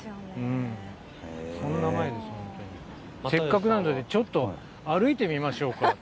せっかくなんで、ちょっと歩いてみましょうか。